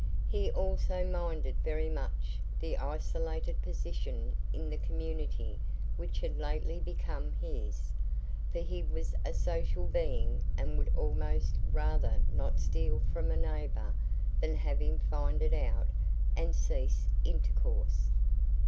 He also minded very much the isolated position in the community which had lately become his; for he was a social being and would ALMOST rather not steal from a neighbor than have him find it out and cease intercourse!